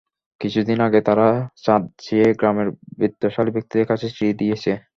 কিছুদিন আগে তারা চাঁদা চেয়ে গ্রামের বিত্তশালী ব্যক্তিদের কাছে চিঠি দিয়েছে।